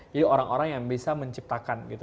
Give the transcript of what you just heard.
jadi orang orang yang bisa menciptakan gitu